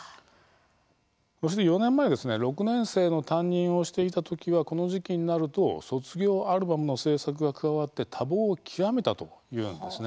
そして４年前、６年生の担任をしていた時は、この時期になると卒業アルバムの制作が加わって多忙を極めたというんです。